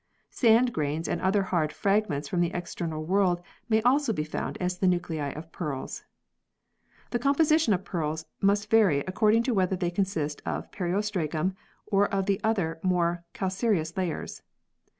Sand grains and other hard fragments from the external world may also be found as the nuclei of pearls. The composition of pearls must vary according to whether they consist of periostracum or of the other more calcareous layers.